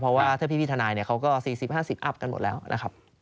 เพราะว่าถ้าพี่ทนายเนี่ยเขาก็๔๐๕๐อัพกันหมดแล้วนะครับ